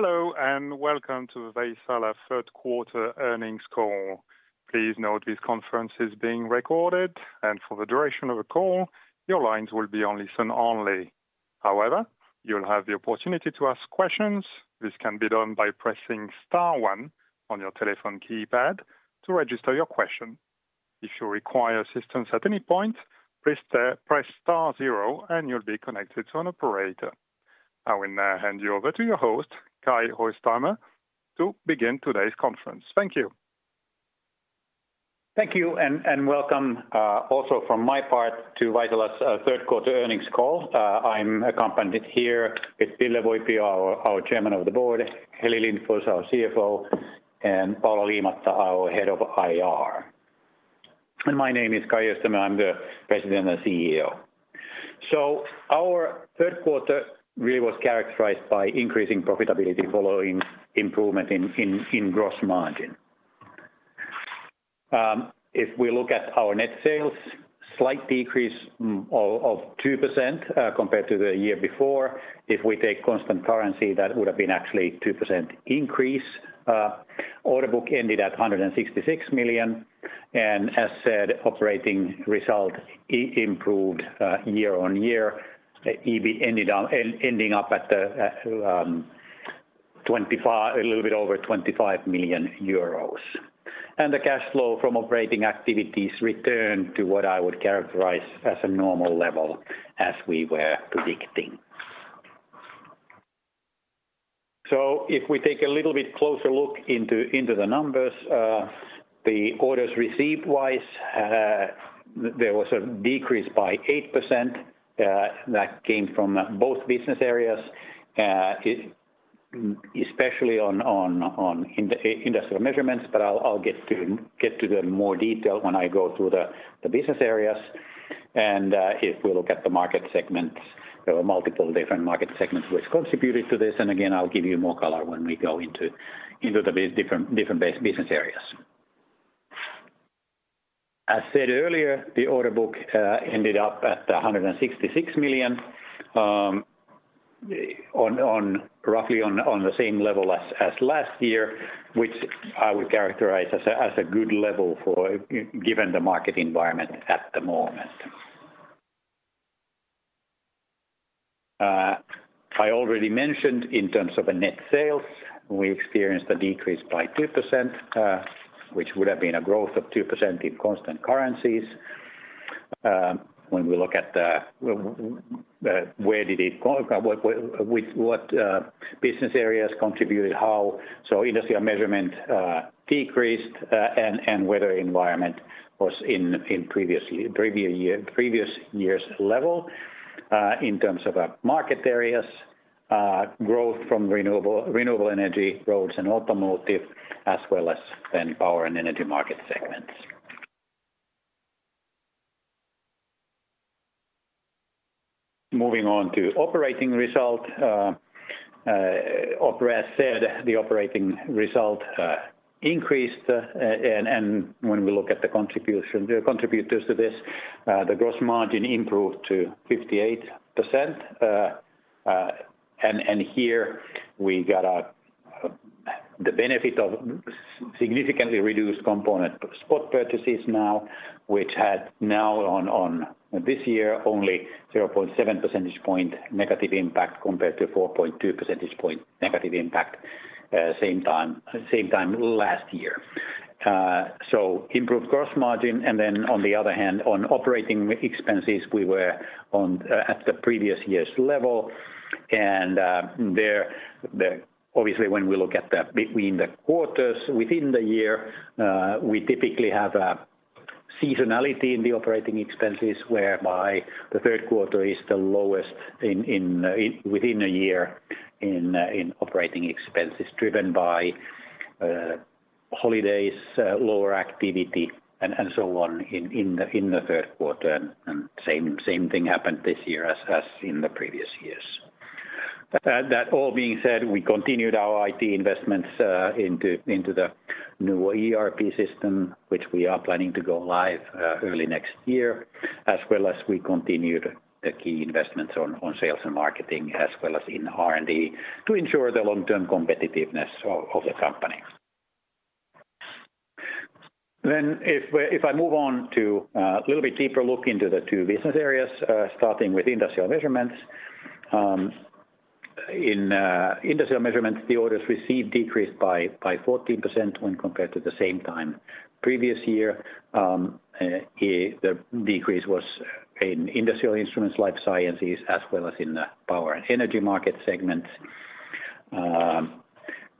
Hello, and welcome to the Vaisala third quarter earnings call. Please note this conference is being recorded, and for the duration of the call, your lines will be on listen only. However, you'll have the opportunity to ask questions. This can be done by pressing star one on your telephone keypad to register your question. If you require assistance at any point, press star zero, and you'll be connected to an operator. I will now hand you over to your host, Kai Öistämö, to begin today's conference. Thank you. Thank you, and welcome, also from my part to Vaisala's third quarter earnings call. I'm accompanied here with Ville Voipio, our Chairman of the Board, Heli Lindfors, our CFO, and Paula Liimatta, our Head of IR. My name is Kai Öistämö, I'm the President and CEO. Our third quarter really was characterized by increasing profitability following improvement in gross margin. If we look at our net sales, slight decrease of 2% compared to the year before. If we take constant currency, that would have been actually 2% increase. Order book ended at 166 million, and as said, operating result improved year on year. EBIT ended up at a little bit over 25 million euros. And the cash flow from operating activities returned to what I would characterize as a normal level as we were predicting. So if we take a little bit closer look into the numbers, the orders received wise, there was a decrease by 8%, that came from both business areas, especially on Industrial Measurements, but I'll get to the more detail when I go through the business areas. And if we look at the market segments, there were multiple different market segments which contributed to this, and again, I'll give you more color when we go into different business areas. As said earlier, the order book ended up at 166 million, on roughly the same level as last year, which I would characterize as a good level given the market environment at the moment. I already mentioned in terms of the net sales, we experienced a decrease by 2%, which would have been a growth of 2% in constant currencies. When we look at where did it go, with what business areas contributed how? So Industrial Measurements decreased, and Weather and Environment was in previous year's level. In terms of market areas, growth from Renewable Energy, Roads and Automotive, as well as then Power and Energy market segments. Moving on to operating result, or as said, the operating result increased, and when we look at the contribution, the contributors to this, the gross margin improved to 58%, and here we got a the benefit of significantly reduced component spot purchases now, which had now on, on this year, only 0.7 percentage point negative impact, compared to 4.2 percentage point negative impact, same time, same time last year. Improved gross margin, and then on the other hand, on operating expenses, we were on, at the previous year's level, and there, obviously, when we look at the between the quarters within the year, we typically have a seasonality in the operating expenses, whereby the third quarter is the lowest in, in, within a year in, in operating expenses, driven by holidays, lower activity, and so on, in, in the, in the third quarter, and same, same thing happened this year as, as in the previous years. That all being said, we continued our IT investments into the new ERP system, which we are planning to go live early next year, as well as we continued the key investments on sales and marketing, as well as in R&D, to ensure the long-term competitiveness of the company. Then, if I move on to a little bit deeper look into the two business areas, starting with Industrial Measurements. In Industrial Measurements, the orders received decreased by 14% when compared to the same time previous year. The decrease was in Industrial Instruments, Life Sciences, as well as in the Power and Energy market segments.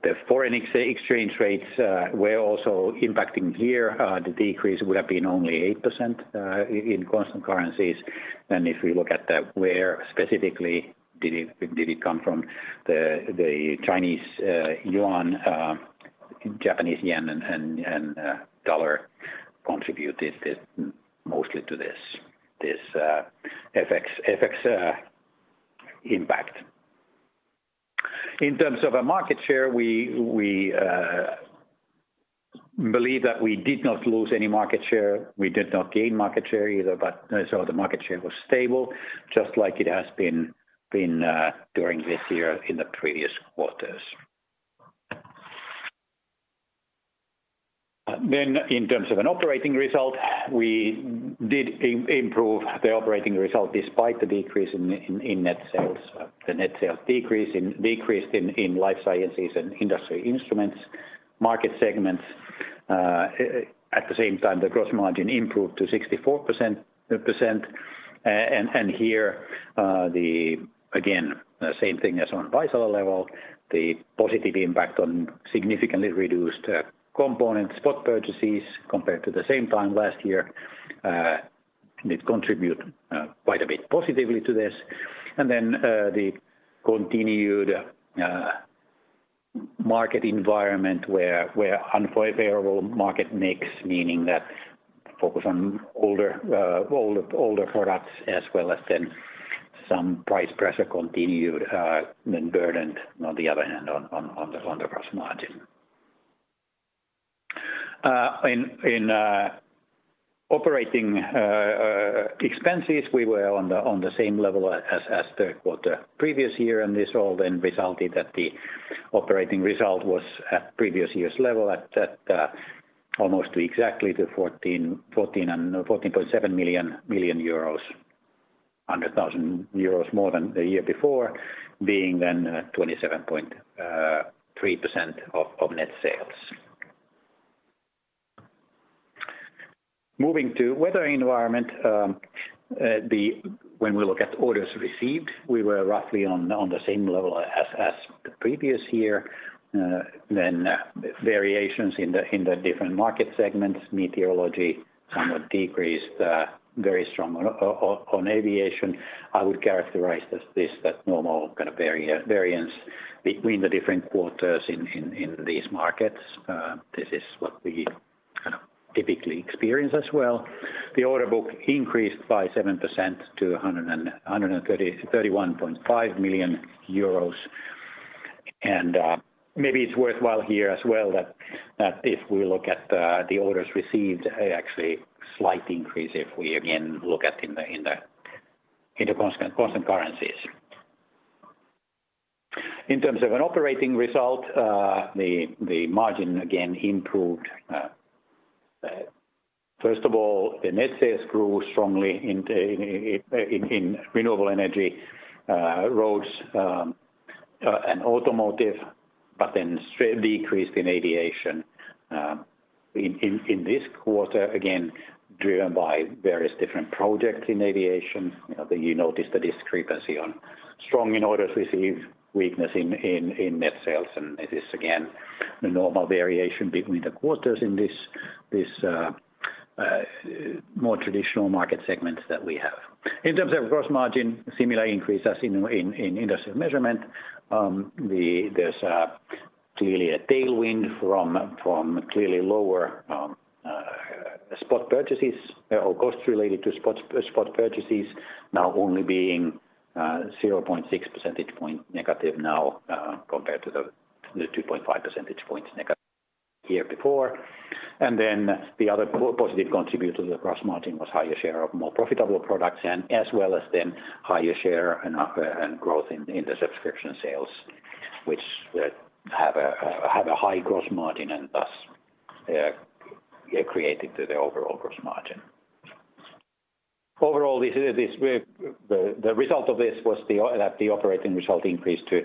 The foreign exchange rates were also impacting here. The decrease would have been only 8% in constant currencies. If we look at where specifically did it come from, the Chinese yuan, Japanese yen, and dollar contributed mostly to this FX impact. In terms of market share, we believe that we did not lose any market share. We did not gain market share either, so the market share was stable, just like it has been during this year in the previous quarters. In terms of operating result, we did improve the operating result despite the decrease in net sales. The net sales decreased in Life Sciences and Industrial Measurements instruments market segments. At the same time, the gross margin improved to 64%. And here, again, the same thing as on Vaisala level, the positive impact on significantly reduced component spot purchases compared to the same time last year did contribute quite a bit positively to this. The continued market environment where unfavorable market mix, meaning that focus on older, older, older products as well as then some price pressure continued, then burdened, on the other hand, on the gross margin. In operating expenses, we were on the same level as third quarter previous year, and this all then resulted that the operating result was at previous year's level, at that almost exactly 14.7 million euros, 100,000 euros more than the year before, being then 27.3% of net sales. Moving to Weather and Environment, when we look at orders received, we were roughly on the same level as the previous year. Then, variations in the different market segments, Meteorology somewhat decreased, very strong on Aviation. I would characterize this, that normal kind of variance between the different quarters in these markets. This is what we kind of typically experience as well. The order book increased by 7% to 131.5 million euros. Maybe it's worthwhile here as well, that if we look at the orders received, actually slight increase, if we again look at in the constant currencies. In terms of an operating result, the margin again improved. First of all, the net sales grew strongly in Renewable Energy, roads, and automotive, but then sales decreased in Aviation. In this quarter, again, driven by various different projects in Aviation, that you notice the discrepancy on strong in orders received, weakness in net sales. This is again the normal variation between the quarters in this more traditional market segments that we have. In terms of gross margin, similar increase as in Industrial Measurements. There's clearly a tailwind from clearly lower spot purchases or costs related to spot purchases, now only being 0.6 percentage point negative now, compared to the 2.5 percentage points negative year before. The other positive contributor to the gross margin was higher share of more profitable products, as well as higher share and growth in the subscription sales, which have a high gross margin and thus accreted to the overall gross margin. Overall, the result of this was that the operating result increased to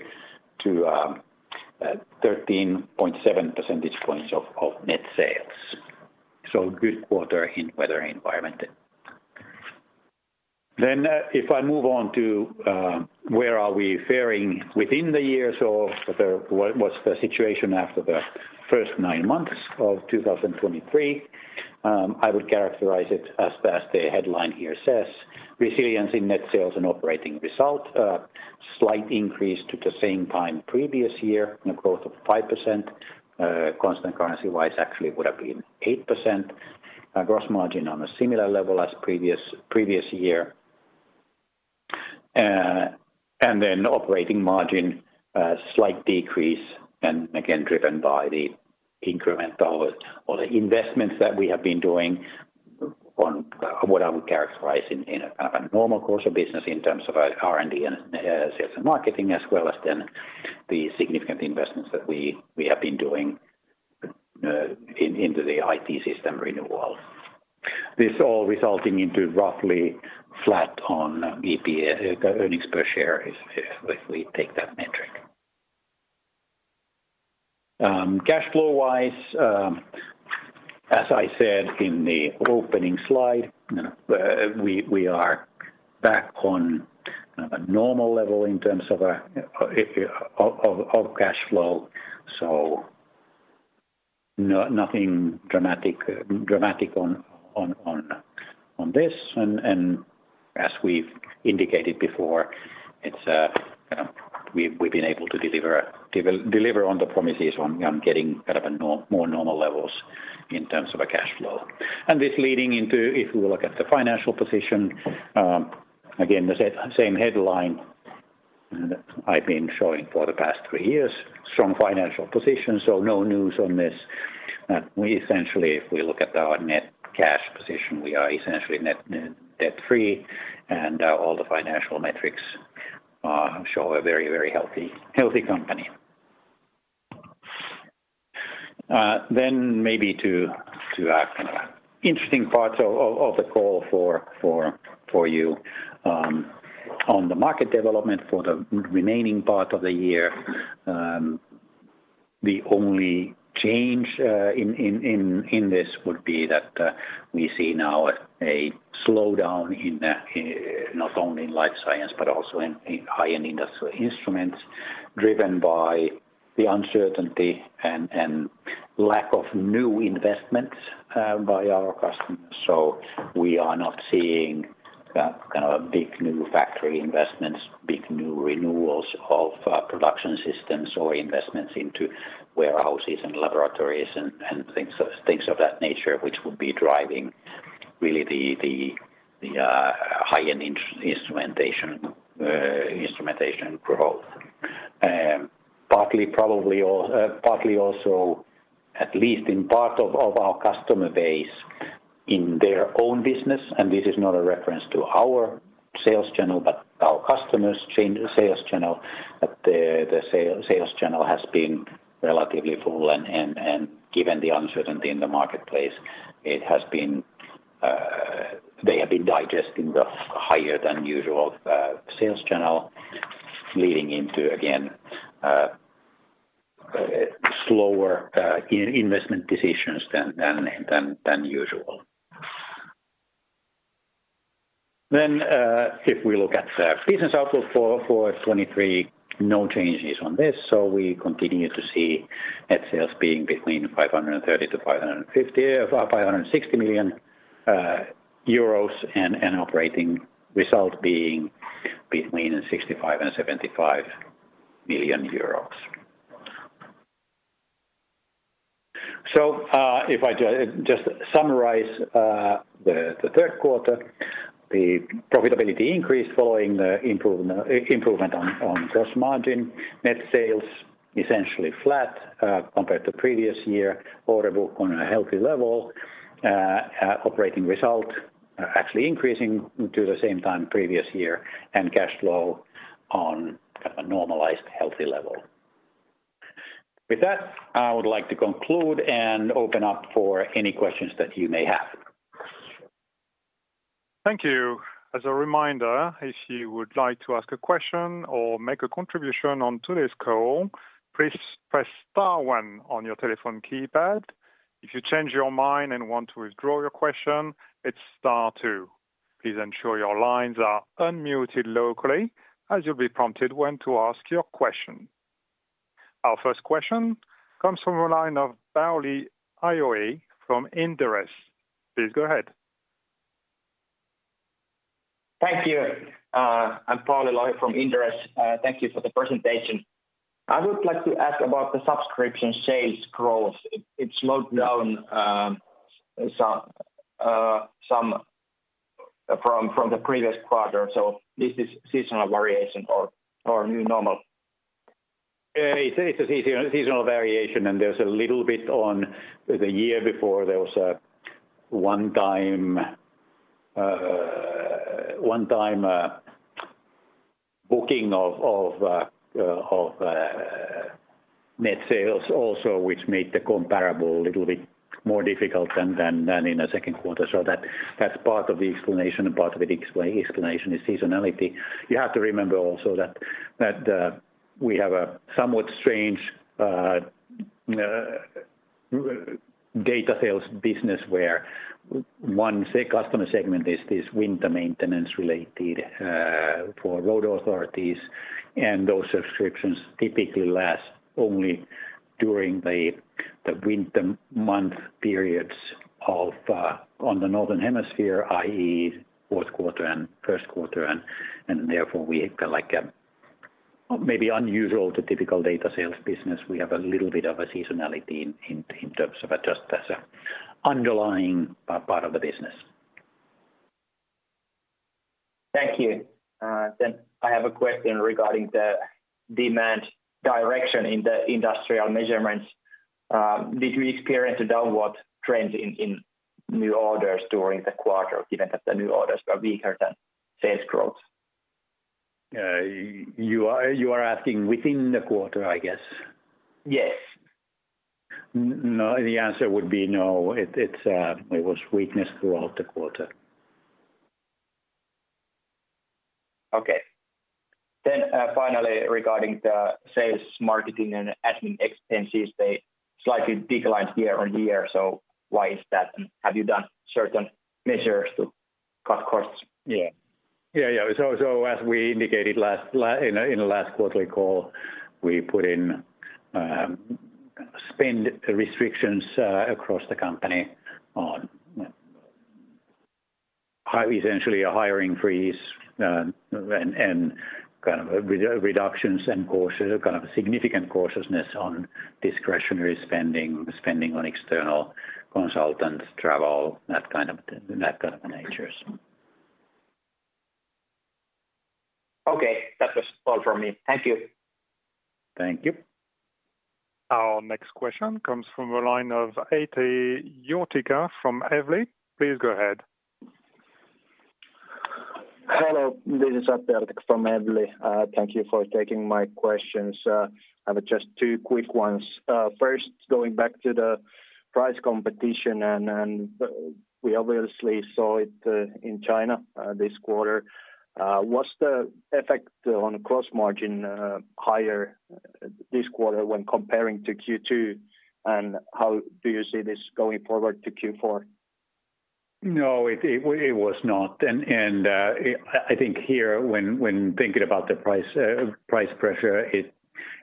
13.7 percentage points of net sales. Good quarter in Weather and Environment. If I move on to where are we faring within the year? What was the situation after the first nine months of 2023? I would characterize it as, as the headline here says, "Resiliency, net sales and operating result," slight increase to the same time previous year, in a growth of 5%, constant currency-wise, actually would have been 8%. Gross margin on a similar level as previous, previous year. Operating margin, slight decrease, and again, driven by the incremental or the investments that we have been doing on what I would characterize in, in a, kind of a normal course of business in terms of R&D and sales and marketing, as well as then the significant investments that we have been doing into the IT system renewal. This all resulting into roughly flat on EPS earnings per share, if we take that metric. Cash flow-wise, as I said in the opening slide, we are back on a normal level in terms of cash flow. Nothing dramatic on this. As we've indicated before, we've been able to deliver on the promises on getting kind of a more normal level in terms of cash flow. This leading into, if we look at the financial position, again, the same headline I've been showing for the past three years, strong financial position, so no news on this. We essentially, if we look at our net cash position, we are essentially net, net debt-free, and all the financial metrics show a very, very healthy, healthy company. Then maybe to kind of interesting parts of the call for you. On the market development for the remaining part of the year, the only change in this would be that we see now a slowdown in not only in Life Science, but also in high-end Industrial Instruments, driven by the uncertainty and lack of new investments by our customers. We are not seeing kind of big new factory investments, big new renewals of production systems or investments into warehouses and laboratories and things of that nature, which would be driving really the high-end instrumentation growth. Partly, probably also, at least in part of our customer base, in their own business, and this is not a reference to our sales channel, but our customers' sales channel, that the sales channel has been relatively full and, given the uncertainty in the marketplace, it has been, you know, they have been digesting the higher than usual sales channel, leading into, again, slower investment decisions than usual. If we look at the business outlook for 2023, no changes on this, we continue to see net sales being between 530 million-550 million, 560 million euros, and operating result being between 65 million-75 million euros. If I just summarize, the third quarter, the profitability increased following the improvement, improvement on gross margin. Net sales essentially flat compared to previous year. Order book on a healthy level. Operating result actually increasing to the same time previous year, and cash flow on kind of a normalized, healthy level. With that, I would like to conclude and open up for any questions that you may have. Thank you. As a reminder, if you would like to ask a question or make a contribution on today's call, please press star one on your telephone keypad. If you change your mind and want to withdraw your question, it's star two. Please ensure your lines are unmuted locally as you'll be prompted when to ask your question. Our first question comes from the line of Pauli Lohi from Inderes. Please go ahead. Thank you. I'm Pauli Lohi from Inderes. Thank you for the presentation. I would like to ask about the subscription sales growth. It slowed down some from the previous quarter, so this is seasonal variation or new normal? It's a seasonal, seasonal variation, and there's a little bit on the year before. There was a one-time, one-time booking of, of net sales also, which made the comparable a little bit more difficult than, than in the second quarter. That's part of the explanation and part of it, explanation is seasonality. You have to remember also that, that we have a somewhat strange, data sales business where one, say, customer segment is this winter maintenance related, for road authorities, and those subscriptions typically last only during the winter month periods of, on the northern hemisphere, i.e., fourth quarter and first quarter, and therefore, we have like a maybe unusual to typical data sales business. We have a little bit of a seasonality in terms of just as an underlying part of the business. Thank you. Then I have a question regarding the demand direction in the Industrial Measurements. Did we experience a downward trend in new orders during the quarter, given that the new orders are weaker than sales growth? You are asking within the quarter, I guess? Yes. No, the answer would be no. It, it's, it was weakness throughout the quarter. Okay. Then, finally, regarding the sales, marketing, and admin expenses, they slightly declined year on year, so why is that? Have you done certain measures to cut costs? Yeah. Yeah, yeah. So as we indicated last in the last quarterly call, we put in spend restrictions across the company on essentially a hiring freeze, and kind of reductions and cautious, kind of a significant cautiousness on discretionary spending, spending on external consultants, travel, that kind of natures. Okay, that was all from me. Thank you. Thank you. Our next question comes from the line of Atte Jortikka from Evli. Please go ahead. Hello, this is Atte from Evli. Thank you for taking my questions. I have just two quick ones. First, going back to the price competition and we obviously saw it in China this quarter. What's the effect on the gross margin, higher this quarter when comparing to Q2? And how do you see this going forward to Q4? No, it was not. I think here, when thinking about the price, price pressure, you know,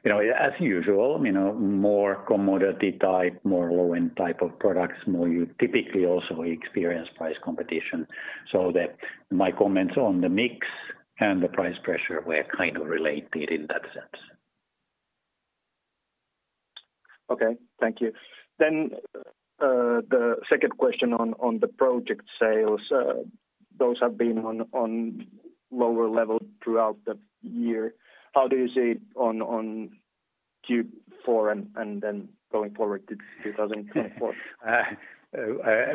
as usual, you know, more commodity type, more low-end type of products, more you typically also experience price competition. So that my comments on the mix and the price pressure were kind of related in that sense. Okay, thank you. Then, the second question on the project sales, those have been on lower levels throughout the year. How do you see on Q4 and then going forward to 2024?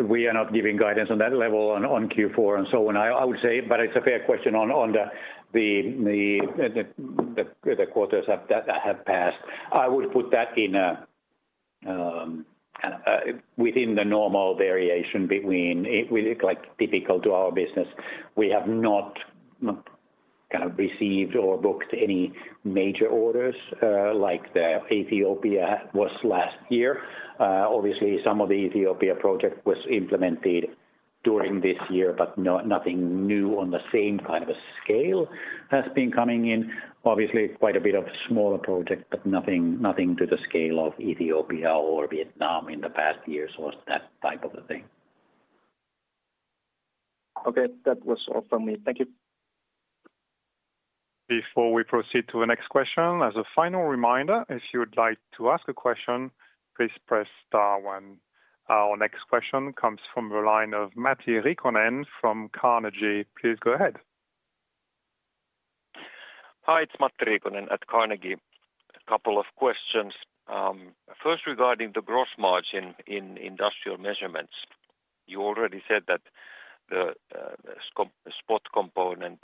We are not giving guidance on that level on Q4 and so on. I would say, but it's a fair question on the quarters that have passed. I would put that within the normal variation, like, typical to our business. We have not kind of received or booked any major orders, like the Ethiopia was last year. Obviously, some of the Ethiopia project was implemented during this year, but nothing new on the same kind of a scale has been coming in. Obviously, quite a bit of smaller projects, but nothing to the scale of Ethiopia or Vietnam in the past years or that type of a thing. Okay. That was all from me. Thank you. Before we proceed to the next question, as a final reminder, if you would like to ask a question, please press star one. Our next question comes from the line of Matti Riikonen from Carnegie. Please go ahead. Hi, it's Matti Riikonen at Carnegie. A couple of questions. First, regarding the gross margin in Industrial Measurements, you already said that the spot component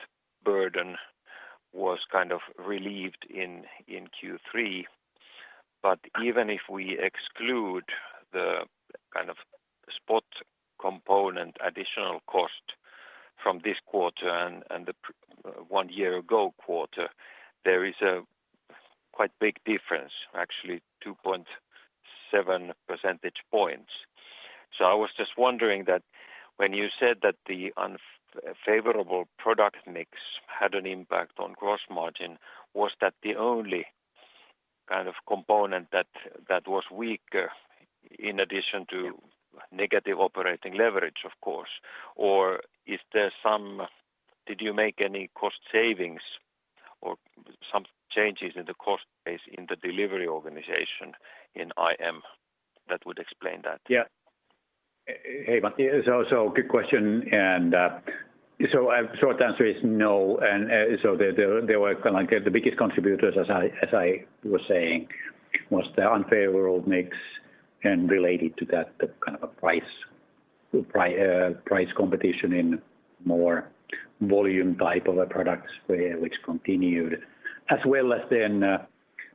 burden was kind of relieved in Q3. But even if we exclude the kind of spot component additional cost from this quarter and the one year ago quarter, there is a quite big difference, actually 2.7 percentage points. So I was just wondering that when you said that the unfavorable product mix had an impact on Gross Margin, was that the only kind of component that was weak in addition to negative operating leverage, of course? Or is there some, did you make any cost savings or some changes in the cost base in the delivery organization in IM that would explain that? Yeah. Hey, Matti. So good question, and short answer is no. And so they were kind of like the biggest contributors, as I was saying, was the unfavorable mix, and related to that, the kind of a price competition in more volume type of products, which continued. As well as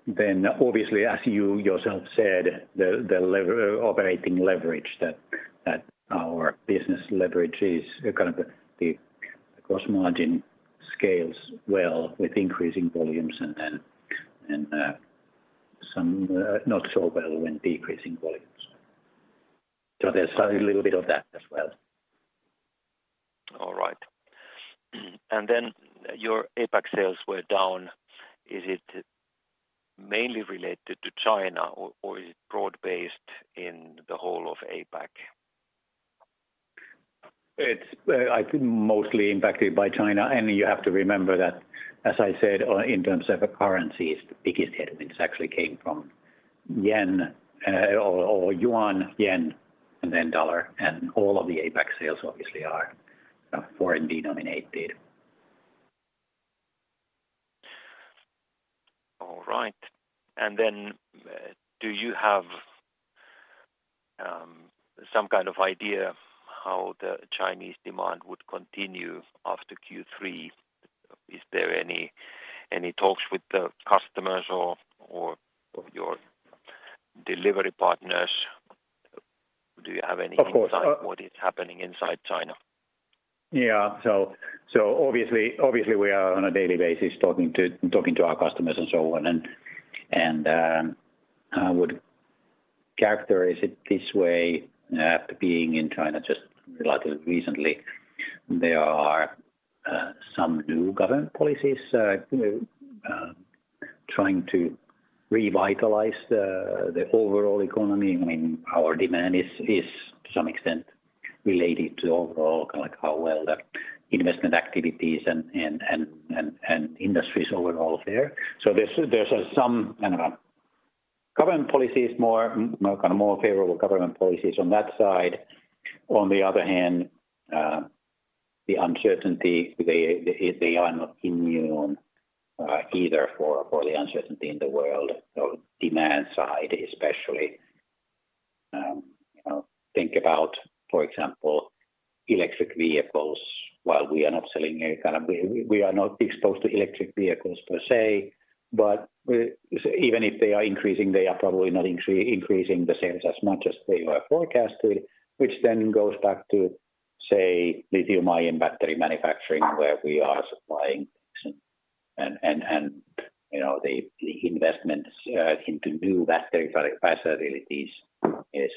then obviously, as you yourself said, the operating leverage that our business leverage is kind of the gross margin scales well with increasing volumes and then some not so well when decreasing volumes. So there's a little bit of that as well. All right. And then your APAC sales were down. Is it mainly related to China or, or is it broad-based in the whole of APAC? It's, I think, mostly impacted by China. You have to remember that, as I said, in terms of the currencies, the biggest headwind actually came from yen or yuan and then dollar, and all of the APAC sales obviously are foreign denominated. All right. And then, do you have some kind of idea how the Chinese demand would continue after Q3? Is there any talks with the customers or your delivery partners? Do you have any- Of course. Insight on what is happening inside China? Yeah. So obviously, we are on a daily basis talking to our customers and so on. And I would characterize it this way, being in China just relatively recently, there are some new government policies trying to revitalize the overall economy. I mean, our demand is to some extent related to overall, kind of like how well the investment activities and industries overall fare. So there's some kind of a government policy is more kind of more favorable government policies on that side. On the other hand, the uncertainty, they are not immune either for the uncertainty in the world or demand side, especially. You know, think about, for example, electric vehicles. While we are not selling a kind of, we are not exposed to electric vehicles per se, but even if they are increasing, they are probably not increasing the sales as much as they were forecasted, which then goes back to, say, lithium-ion battery manufacturing, where we are supplying. And you know, the investments into new battery facilities is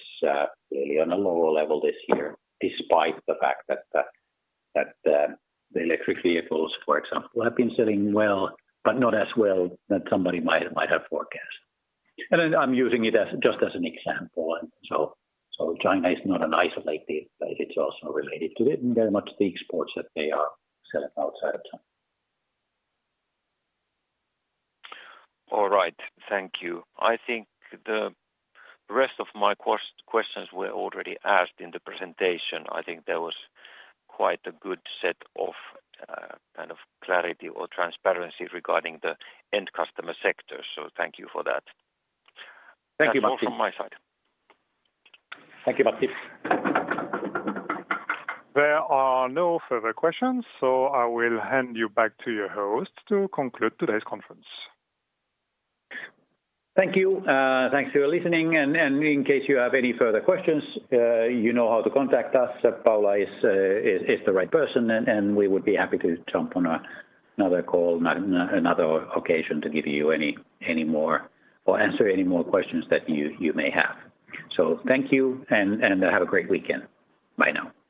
really on a lower level this year, despite the fact that the electric vehicles, for example, have been selling well, but not as well that somebody might have forecast. And then I'm using it as just as an example. And so China is not an isolated, but it's also related to it, and very much the exports that they are selling outside of China. All right. Thank you. I think the rest of my questions were already asked in the presentation. I think there was quite a good set of, kind of clarity or transparency regarding the end customer sector, so thank you for that. Thank you, Matti. That's all from my side. Thank you, Matti. There are no further questions, so I will hand you back to your host to conclude today's conference. Thank you. Thanks for listening, and in case you have any further questions, you know how to contact us. Paula is the right person, and we would be happy to jump on another call, another occasion to give you any more or answer any more questions that you may have. So thank you, and have a great weekend. Bye now.